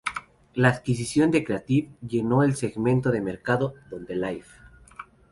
La adquisición de Creative llenó el segmento de mercado donde Live!